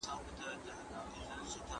که ليکوالان هڅه وکړي تر پخوا به ښه اثار ولري.